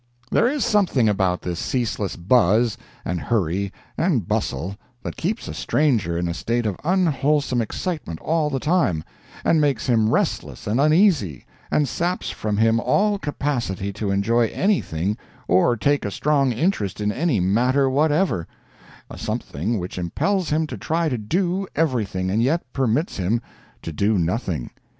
There is something about this ceaseless buzz, and hurry, and bustle, that keeps a stranger in a state of unwholesome excitement all the time, and makes him restless and uneasy, and saps from him all capacity to enjoy anything or take a strong interest in any matter whatever—a something which impels him to try to do everything, and yet permits him to do nothing.